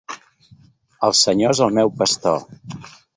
El Senyor és el meu pastor.